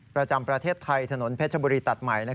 ประจำประเทศไทยถนนเพชรบุรีตัดใหม่